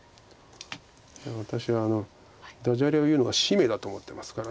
いや私はダジャレを言うのが使命だと思ってますから。